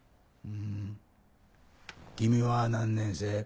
ん君は何年生？